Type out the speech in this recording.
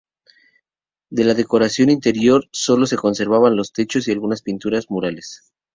De la decoración interior solo se conservaban los techos y algunas pinturas murales.